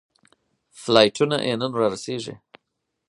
فلایټونه یې نن رارسېږي.